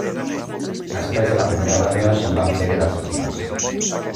Després de la primera reunió, se'n van fer diverses més.